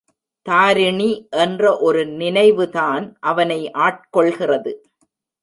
தாரிணி என்ற ஒரு நினைவுதான் அவனை ஆட்கொள்கிறது.